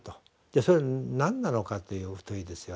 それは何なのかという問いですよ